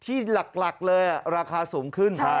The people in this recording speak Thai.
ที่หลักเลยราคาสูงขึ้น